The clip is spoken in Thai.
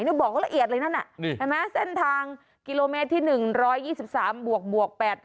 นี่บอกละเอียดเลยนั่นน่ะเห็นไหมเส้นทางกิโลเมตรที่๑๒๓บวก๘๐๐